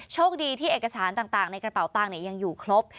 โชคดีที่เอกสารต่างในกระเป๋าตังค์ยังอยู่ครบ